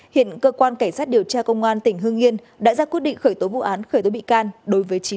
hiện cơ quan cảnh sát điều tra công an tỉnh hương nghiên đã ra quyết định khởi tố vụ án khởi tố bị can đối với chín đối tượng